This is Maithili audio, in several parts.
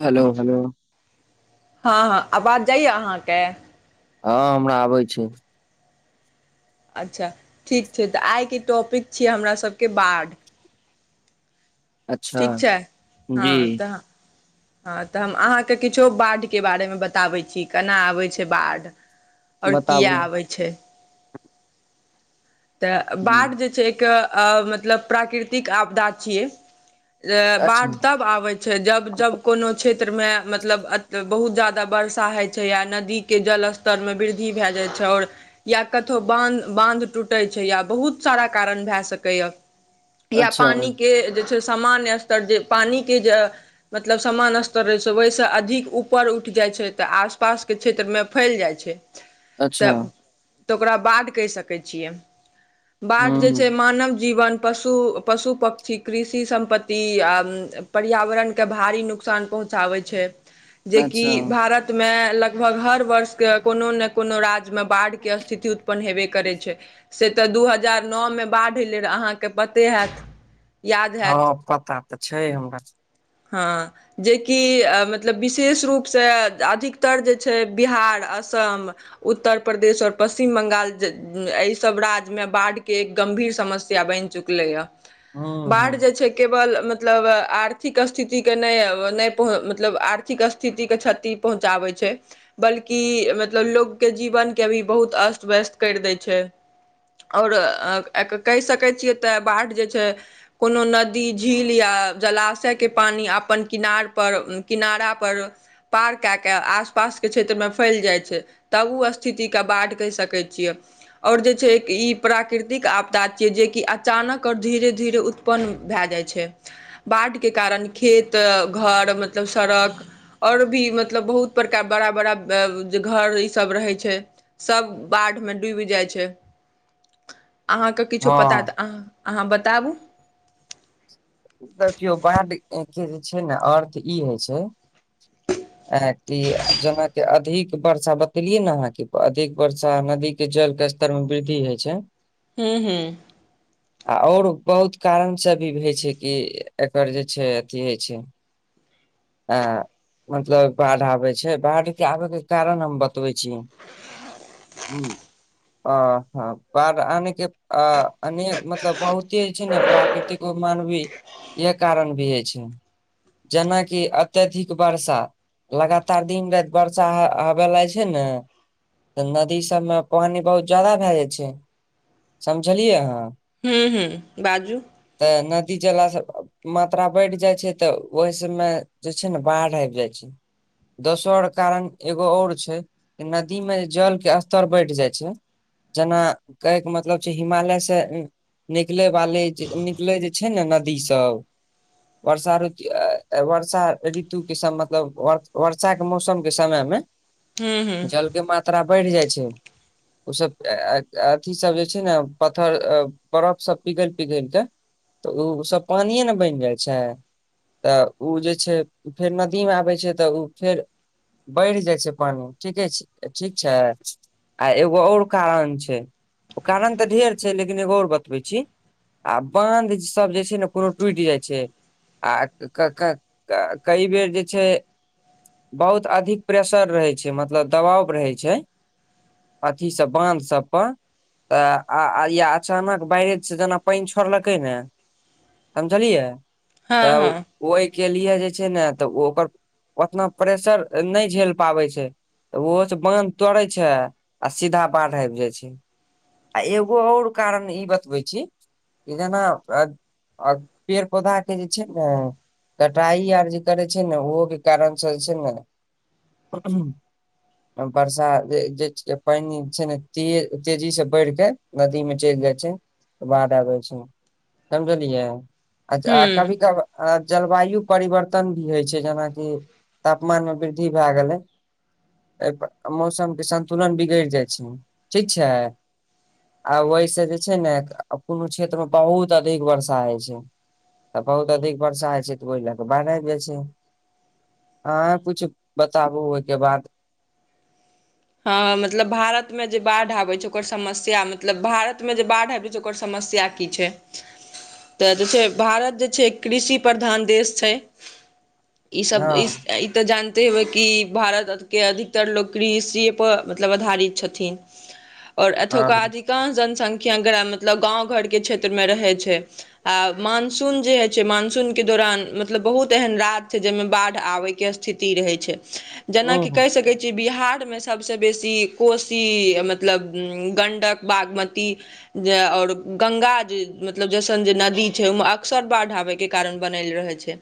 [inaudible] हेलो हेलो हँ हँ आवाज जाइय अहाँके हँ हमरा आबै छै अच्छा ठीक छै तऽ आइके टॉपिक छियै हमरा सबके बाढ़ अच्छा ठीक छै [inaudible] जी हँ तऽ हँ तऽ हम अहाँके किछो बाढ़िके बारेमे बताबै छी केना आबैत छै बाढ़ि और बताबू किया आबै छै तऽ ह बाढ जे छै एक अ मतलब प्राकृतिक आपदा छियै अच्छा बाढ़ तब आबे छै जब जब कोनो क्षेत्रमे मतलब बहुत ज्यादा वर्षा होइ छै या नदी के जल स्तर मे वृद्धि भए जाइ छै और या कतहु बांध बांध टूट तै छैय या बहुत सारा कारण भै सकाइ ए या अच्छा पानी के सामान्य स्तर जे पानी के जे मतलब सामान्य स्तर रहै छै ओहिसँ अधिक ऊपर उठि जाइ छै तऽ आस पास के क्षेत्रमे फैल जाइ छै अच्छा तऽ तऽ ओकरा बाद कहि सकै छियै बाढ़ जे ह छै मानव जीवन पशु पशु पक्षी कृषि सम्पति आ पर्यावरण के भारी नु नुकसान पहुँचा बै छै [inaudible] जेकि भारत मे लगभग हर वर्षके कोनो ने कोनो राज्य मे बाढ़ के स्थिति उत्पन्न हेबे करै छै से तऽ दू हजार नौ मे बाढ़ि अयलै रहऽ अहाँके पते हैत याद हँ हैत पता तऽ छै हमरा हँ जेकि मतलब विशेष रूपसँ अधिकतर जे छै बिहार असम उत्तर प्रदेश और पश्चिम बंगाल एहि सब राज्य में बाढ़ के एक गंभीर समस्या बनि चुक ह [inaudible] ह बाढ़ जे छै केवल मतलब आर्थिक स्थितिके नहि नहि पहु मतलब आर्थिक स्थिति के क्षति पहुँचाबै छै बल्कि मतलब लोकके जीवन के भी बहुत अस्त व्यस्त करि दै छै और कहि सकै छियै तऽ बाढ़ि जे छै कोनो नदी झील या जलाशय के पानी अपन किनार पर किनारा पर पार कए क आस पास के क्षेत्रमे फैल जाइत छै तब ओ स्थिति के बाढ़ कहि सकै छियै और जे छै ई प्राकृतिक आपदा छियै जेकि अचानक और धीरे धीरे उत्पन्न भए जाइ छै प बाढ के कारण खेत घर मतलब सड़क और भी मतलब बहुत बड़का बड़ा बड़ा जे घर ईसभ रहै छै सभ बाढ़ म डुबि जाइ छै [inaudible] अहाँके किछु पता तऽ हँ अह अहाँ बताबु देखियौ बाढ़ के जे छै ने अर्थ ई होइ छै ऐ की जेनाकी अधिक वर्षा बतेलियै ने अहाँके अधिक वर्षा नदी के जल के स्तर में वृद्धि होइ छै [unintelligible] आ और बहुत कारण से भी होय छै कि एकर जे छै अथी होइ छै आ मतलब बाइढ़ आबे छै बाढ़ के आबे के कारण हम बतबै छी हूँ अ हं ब आनेके अ अनेक मतलब बहुते जे छै ने प्र प्राकृतिक मान भी य कारण भी हं छै जेनाकि अत्यधिक वर्षा लगातार दिन राइत बर्षा हबे लाग छै ने तऽ नदी सब में पइन बहुत जादा भए जाइ छै समझलियै अहाँ हूँ हूँ बाजू तऽ नदी जेलासँ मात्रा बढ़ जाइ छै तऽ ओहि सब में जे छै ने बाढ़ आइब जाइ छै दोसर कारण एगो और छै नदी में जल के स्तर बढ़ जाइ छै जेना कै के मतलब छै हिमालय से निकले वाले निकले जे छै छै न नदी सब वर्षा ऋतु वर्षा ऋतु के सब मतलब वर्षा मौसम के समय में हूँ हूँ जल के मात्रा बइढ़ जाइ छै ओ सब अ अथी सब जे छै न पत्थर बरफ सब पिघइल पिघइल के तऽ उ सब पानिये ने बनि जाइ छै तऽ ओ जे छै फेर नदी में आबै छै तऽ ओ फेर बइढ़ जाइ छै पानि ठीके छै ठीक छै आ एगो आओर कारण छै ओ कारण तऽ ढेर छै लेकिन एगो आओर बतबै छी आ बान्धसब जे छै ने कोनो टुटि जाइ छै आ क क कई बेर जे छै बहुत अधिक प्रेशर रहै छै मतलब दबाव रहै छै अथी से बान्ध सबपर आ या अचानक बइरेज से जेना पानि छोड़लकै ने समझलियै तऽ हँ हँ ओहिके लिए जे छै ने तऽ ओ ओकर ओतना प्रेशर नय झेल पाबै छै तऽ ओहोसँ बाँध तोड़ै छै आ सीधा बाइढ़ आइब जाइ छै आ एगो आओर कारण ई बतबै छी कि जेना आ पेड़ पौधाके जे छै ने कटाइ आर जे करै छै ने ओहोके कारणसँ जे छै ने बरसा जे पानि छै ने ते तेजी से बढ़िक नदी में चइल जाय छै बाढ़ आबे छै समझलियै अ हूँ कभी कभ आ जलवायु परिवर्तन भी होइ छै जेनाकि तापमान में वृद्धि भए गेलै एहिप मौसम के संन्तुलन बिगइड़ जाइ छै ठीक छै आ ओहि से जे छै ने कोनो क्षेत्र में बहुत त अधिक वर्षा होइ छै तऽ बहुत अधिक वर्षा होइ छै तऽ ओहि लए क बाइढ़ आइब जाइ छै आंच कुछ बताबु ओइके बाद हँ मतलब भारत में जे बाढ़ आबय छै ओकर समस्या मतलब भारत में जे बाढ़ आबै छै ओकर समस्या की छै [inaudible] तऽ जे छै भारत जे छै कृषि प्रधान देश छै इ सब हँ इ ई तऽ जानते हेवय कि भारत के अधिकतर लोग कृषि प मतलब आधारित छथिन आओर हँ एतकाधिक कांश जनसंख्या मतलब गाँव घरके क्षेत्र मे रहै छै आ मानसून जे हय छै मानसून के दौरान मतलब बहुत एहेन राज छै जेमें बाढ़ आबय के स्थिति रहै छै हूँ जेनाकि हूँ कहि सकै छियै बिहार में से सभसँ बेसी कोशी मतलब गण्डक बागमती जे और गंगा जे मतलब जसन जे नदी छै ओइमे अक्सर बाढ़ आबे के कारण बनल रहे छै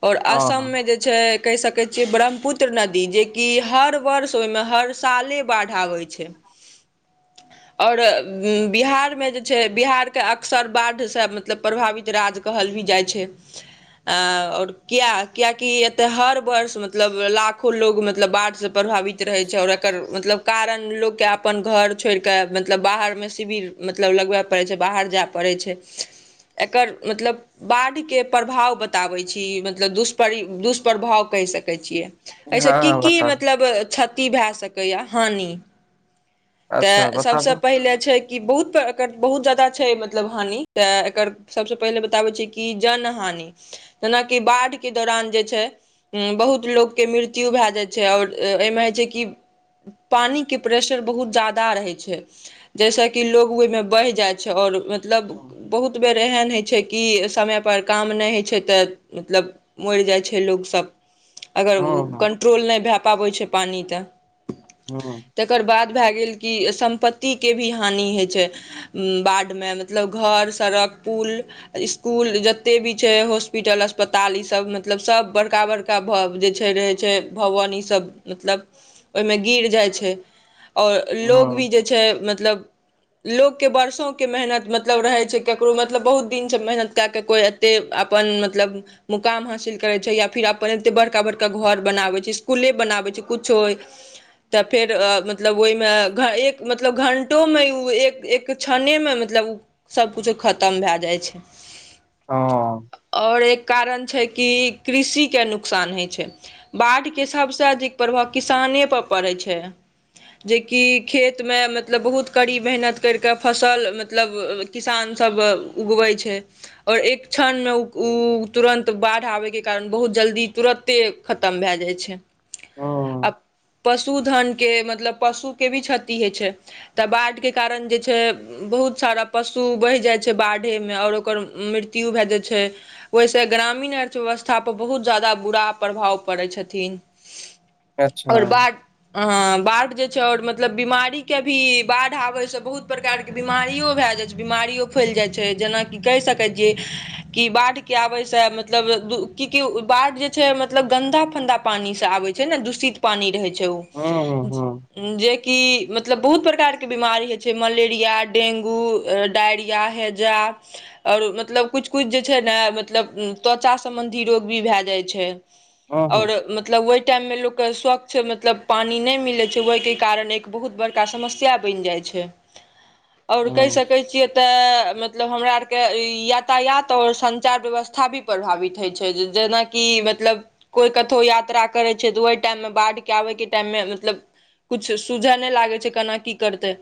[inaudible] ओर हँ असम हँ में जे छै कहि सकै छियै ब्रह्मपुत्र नदी जेकि हर वर्ष ओइमे हर साले बाढ़ आबै छै ह [inaudible] ओर बिहार में जे छै बिहारके अक्सर बाढ़सँ मतलब प्रभावित राज कहल भी जाइ छै ओर किया कियकि एतय हर वर्ष मतलब लाखो लोग मतलब बाढ़िसँ प्रभावित रहै छै और मतलब कारण लोक के अपन घर छोड़ कऽ मतलब बाहर में शिवर मतलब लगबै पड़ै छै बाहर जाय पड़ै छै एकर मतलब बाढ़िके प्रभाव बताबै छी मतलब दुष्प्रभाव कहि सकैत छियै एहिसँ हँ की हँ की बताबू मतलब क्षति भ सकैए हानि अच्छा तऽ सभसँ बताबू पहिले छै कि बहुत एकर बहुत ज्यादा छै मतलब हानि तऽ एकर सबसे पहिले बताबै छै कि जन हानि जेनाकि बाढ़ के दौरान जे छै बहुत लोकके मृत्यु भए जाइ छै आओर एहिमे होइ छै कि पानिके प्रेशर बहुत ज्यादा रहै छै जैस कि लोग ओहि में बहि जाइ छै आओर मतलब हूँ बहुत बेर एहन हइ छै छै कि समय पर काम नय होइ छै तऽ मतलब मइर जाइ छै लोकसब अगर हूँ कंट्रोल नय भए पाबै छै पानि तऽ हँ तेकर बाद भए गेल कि सम्पत्तिके भी हानि होइ छै बाढ़ में मतलब घर सड़क पुल स्कुल जते भी छै हॉस्पिटल अस्पताल ईसब मतलब सभ बड़का बड़का हका भाव जे छै रहै छै भवन ईसब मतलब ओइमे गिर जाइ छै आओर लोग भी हूँ जे छै मतलब लोकके बरसों के मेहनत मतलब रहै छै केकरो मतलब बहुत दिनसँ मेहनत कए कऽ कोइ तऽ अपन मतलब मुकाम हासिल करैत छै या फेर अपन एतेक बड़का बड़का घर बनाबैत छै स्कूलले बनाबैत छै किछोइ तऽ फेर मतलब ओहिमे घर एक मतलब घण्टोमे ओ एक एक क्षणे में मतलब ओ सबकिछो खतम भए जाइ छै हँ ओर एक कारण छै कि कृषिके नुकसान होइ छै बाढ़िके सबसँ अधिक प्रभाव किसाने प पड़ै छै जेकि खेत में मतलब बहुत कड़ी मेहनत करि कऽ फसल मतलब किसान सब उगबै छै आओर एक क्षण में ओ तुरन्त बाढ़ आबयके कारण बहुत जल्दी तुरन्ते खतम भए जाइ छै हूँ आब पशुधनके मतलब पशुके भी क्षति होइत छै तऽ बाढ़िके कारण जे छै बहुत सारा पशु बहि जाइ छै बाढ़ेमे आओर ओकर मृत्यु भए जाइ छै ओहिसँ ग्रामीण अर्थव्यवस्थापर बहुत ज्यादा बुरा प्रभाव पड़ैत छथिन आओर अच्छा बाढ़ अ बाढ़ जे छै और मतलब बीमारी के भी बाढ़ आबे से बहुत प्रकार बिमारिओ भए जाइ छै बिमारिओ फैलि जाइ छै जेनाकि कहि सकै जे कि बाढ़ के आबे से मतलब कि कि बाढ़ जे छै मतलब गन्दा फन्दा पानी से आबे छै छै ने दूषित पानी रहै छै हूँ हूँ ओ जेकि मतलब बहुत प्रकारके बीमारी होइ छै मलेरिया डेंगू डायरिया है जा आओर मतलब किछु किछु जे छै ने मतलब त्वचा सम्बन्धी रोग भी भए जाइत छै आओर हूँ मतलब ओहि टाइम मे लोक के स्वच्छ मतलब पानि नहि मिलैत छै ओहिके कारण एक बहुत बड़का समस्या बनि जाइ छै [unintelligible] आओर कहि सकै छियै तऽ मतलब हमरा आरके यातायात आओर संचार व्यवस्था भी प्रभावित होइ छै जेना कि मतलब कोई कतौ यात्रा करे छै तऽ ओहि टाइम मे बाढ़ के आबे के टाइम मे मतलब कुछ सुझे नहि लागे छै केना की करते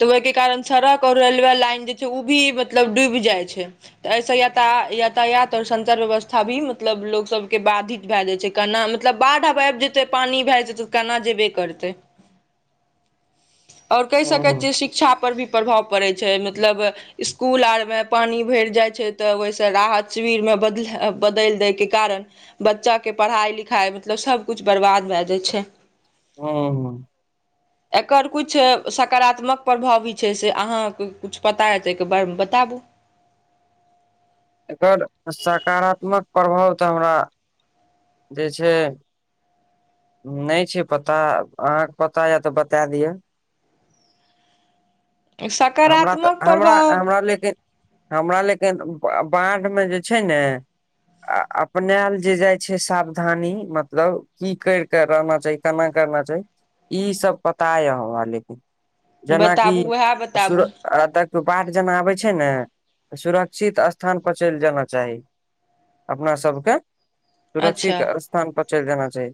तऽ ओहिके कारण सड़क आओर रेलवे लाइन जे छै ओ भी मतलब डूबि जाइ छै तऽ एहिसँ यात यातायात आओर संचार व्यवस्था भी मतलब लोकसभके बाधित भए जाइ छै केना मतलब बाढ़ि आब आबि जेतै पानि भए जेतै तऽ केना जेबे करतै आओर कहि सकैत छियै हूँ शिक्षा पर भी प्रभाव पड़ैत छै मतलब स्कूल आरमे पानि भरि जाइ छै तऽ ओहिसँ राहत शिविरमे बदल बदलि दैयके कारण बच्चाके पढ़ाइ लिखाइ मतलब सभ किछु बरबाद भए जाइ छै हँ हुन एकर किछु सकारात्मक प्रभाव भी छै से अहाँके किछु पता हैते तऽ एहिके बारेमे बताबू एकर सकारात्मक प्रभाव तऽ हमरा जे छै नहि छै पता अहाँके पता ये तऽ बता दिअ हमरा तऽ सकारात्मक हमरा प्रभाव हमरा लेकिन हमरा लेकिन बाढ़िमे जे छै ने आ अपने आप जे जाय छै सावधानी मतलब की करि के रहना चाही केना करना चाही ई सब पता ये हम लेकिन बताबू जेनाकि उएह बताबू एतऽ बाढ़ जेना आबै छै ने सुरक्षित स्थान पर चलि जेना चाही अपना सभके अच्छा सुरक्षित स्थानपर चलि जाना चाही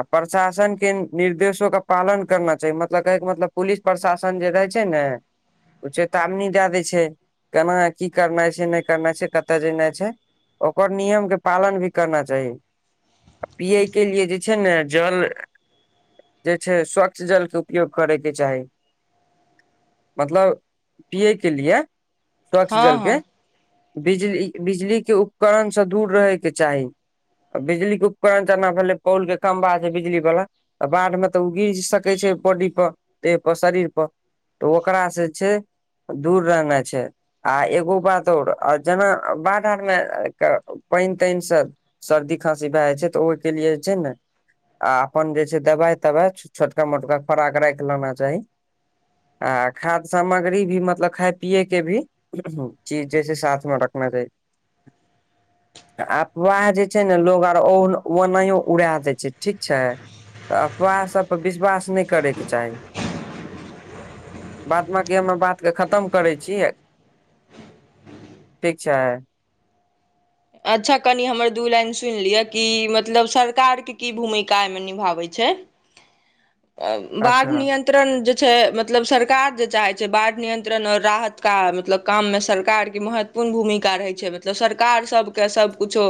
आ प्रशासन के निर्देशो के पालन करना चाही मतलब के के मतलब पुलिस प्रशासन जे रहय छै ने ओ चेतावनी दए दै छै केना की करनाइ छै नहि करनाइ छै कतय जेनाइ छै ओकर नियमके पालन भी करना चाही पियैके लिए जे छै ने जल जे छै स्वच्छ जल के उपयोग करय के चाही मतलब पियैके लिए स्वच्छ हँ जलके हँ बिजली बिजलीके उपकरणसँ दूर रहयके चाही आ बिजलीक के उपकरण जेना भेलय पोल के खम्भा जे बिजली वला तऽ बाढ़ मे तऽ ओ गिर सकैत छै बॉडी पर देह पर शरीर पर तऽ ओकरास से छै दूर रहनाइ छै आ एगो बात आओर जेना बाढ़ि आरमे पानि तानिसँ सर्दी खाँसी भए जाइ छै तऽ ओहिके लिए जे छै ने आ अपन जे छै दवाइ तवाइ छोटका मोटका खराक राख लेना चाही आ खाद्य सामग्री भी मतलब खाय पियए के भी चीज जैसे साथ में रखना चाही आ वएह जे छै ने लोकोग आर ओ ओनाहियो उड़ा दै छै ठीक छै तऽ अपवार सब पर विश्वास नइ करयके चाही बाद बाकी हमे बात के खतम करै छीय ठीक छै अच्छा कनि हमर दू लाइन सुइन लिअ कि मतलब सरकार के की भूमिका एहिमें निभाबै छै छै बाढ़ अच्छा नियन्त्र त्रन जे छै मतलब सरकार जे चाहै छै बाढ़ नियंत्रण आओर राहत का मतलब काम मे सरकारके महत्व कोन भूमिका रहै छै मतलब सरकार सबके सबकिछो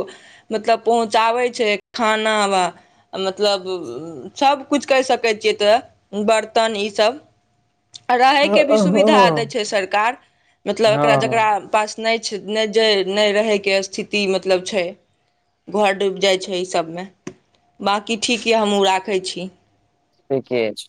मतलब पहुँचाबै छै खाना बा मतलब सबकुछ कहि सकै छियै तऽ बरतन इसब आ रहयके भी सुविधा दै हँ छै सरकार मतलब एकरा हँ जकरा पास नइ नइ जा नइ रहैके स्थिति मतलब छै घर डुइब जाइ छै ई सब में बाँकी ठीक यऽ हमहूँ राखै छी ठीके छै